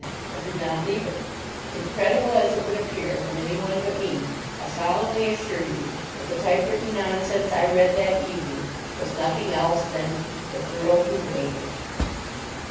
I could not leave it. Incredible as it would appear from anyone but me, I solemnly assure you that the typewritten nonsense I read that evening was nothing else than The Girl who Waited.